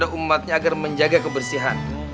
kepada umatnya agar menjaga kebersihan